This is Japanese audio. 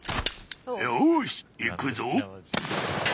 よしいくぞ。